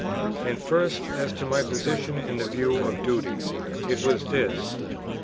And first as to my position in the view of duty; it was this: 1.